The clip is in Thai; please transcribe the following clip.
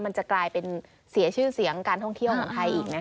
มันจะกลายเป็นเสียชื่อเสียงการท่องเที่ยวของไทยอีกนะคะ